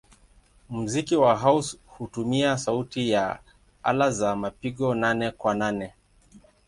Muziki wa house hutumia sauti ya ala za mapigo nane-kwa-nane.